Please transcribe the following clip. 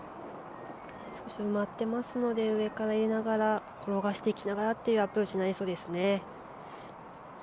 少し埋まってますので上から入れながら転がしていきながらというアプローチになりそうですね。